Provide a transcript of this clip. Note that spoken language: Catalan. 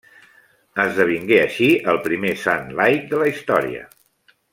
Esdevingué així el primer sant laic de la història.